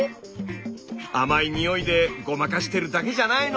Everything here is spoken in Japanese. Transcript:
甘い匂いでごまかしてるだけじゃないの？